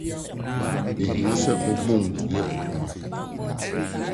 Ehia sɛ mobom yɛ adwuma.